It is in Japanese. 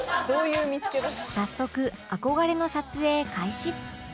早速憧れの撮影開始